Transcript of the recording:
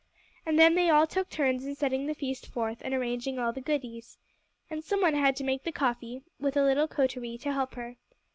And then they all took turns in setting the feast forth, and arranging all the goodies. And some one had to make the coffee, with a little coterie to help her.